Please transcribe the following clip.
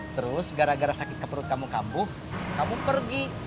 terus gara gara sakit ke perut kamu kambuh kamu pergi